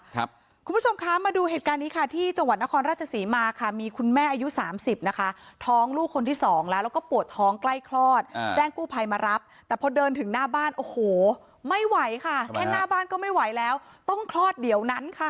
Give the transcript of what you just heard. คุณผู้ชมคะมาดูเหตุการณ์นี้ค่ะที่จังหวัดนครราชศรีมาค่ะมีคุณแม่อายุสามสิบนะคะท้องลูกคนที่สองแล้วแล้วก็ปวดท้องใกล้คลอดแจ้งกู้ภัยมารับแต่พอเดินถึงหน้าบ้านโอ้โหไม่ไหวค่ะแค่หน้าบ้านก็ไม่ไหวแล้วต้องคลอดเดี๋ยวนั้นค่ะ